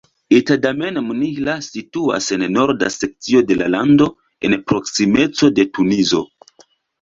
Ettadhamen-Mnihla situas en norda sekcio de la lando en proksimeco de Tunizo.